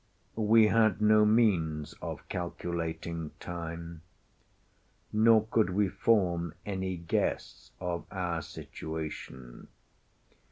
We had no means of calculating time, nor could we form any guess of our situation.